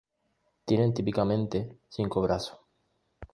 Tienen típicamente cinco brazos.